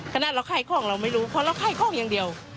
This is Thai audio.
ขนาดเราไข้คล่องเราไม่รู้เพราะเราไข้ของอย่างเดียว